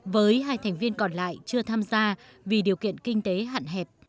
với hai thành viên còn lại chưa tham gia vì điều kiện kinh tế hạn hẹp